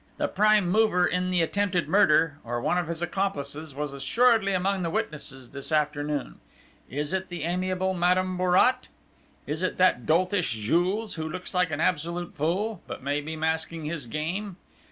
The prime mover in the attempted murder, or one of his accomplices, was assuredly among the witnesses this afternoon. Is it the amiable Madame Bourrat? Is it that doltish Jules, who looks an absolute fool, but may be masking his game!